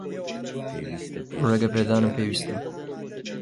ڕێگەپێدانم پێویستە.